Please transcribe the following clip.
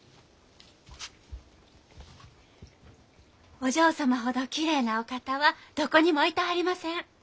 お嬢様ほどきれいなお方はどこにもいたはりません。